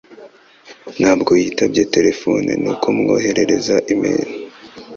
Ntabwo yitabye terefone, nuko mwoherereza imeri.